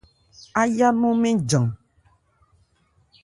Áyá nɔn mɛn jan.